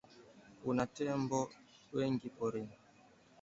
Kuna tembo wengi porini.